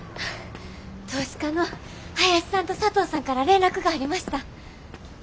投資家の林さんと佐藤さんから連絡がありました。